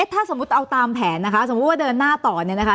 ถ้าสมมุติเอาตามแผนนะคะสมมุติว่าเดินหน้าต่อเนี่ยนะคะ